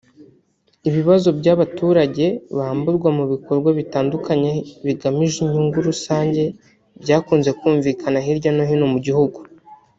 Ibibazo bya by’abaturage bamburwa mu bikorwa bitandukanye bigamije inyungu rusange byakunze kumvikana hirya no hino mu gihugu